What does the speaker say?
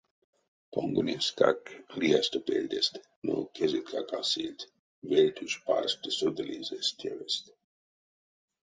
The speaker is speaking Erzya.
Понгонеськак лиясто пельдест, но кежетькак а сыльть: вельть уш парсте содылизь эсь тевест.